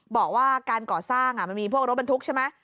บอกว่าการก่อสร้างมันมีพวกรถบรรทุกใช่ไหม